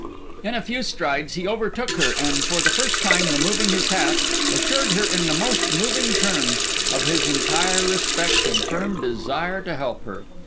In a few strides he overtook her and, for the first time removing his hat, assured her in the most moving terms of his entire respect and firm desire to help her.